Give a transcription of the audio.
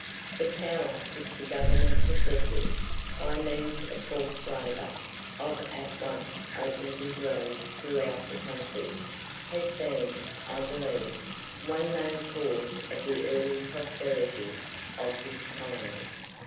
The power which the government possesses, by means of forced labour, of at once opening good roads throughout the country, has been, I believe, one main cause of the early prosperity of this colony.